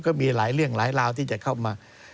ก็มีหลายเรื่องหลายราวที่จะเข้ามา